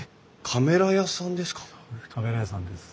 カメラ屋さんです。